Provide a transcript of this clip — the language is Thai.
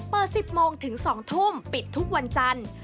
เปิด๑๐โมงถึง๒ทุ่มปิดทุกวันจันทร์